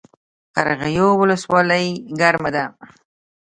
قرغیو ولسوالۍ ګرمه ده؟